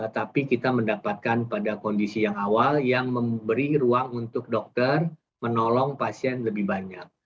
tapi kita mendapatkan pada kondisi yang awal yang memberi ruang untuk dokter menolong pasien lebih banyak